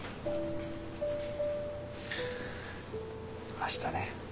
明日ね。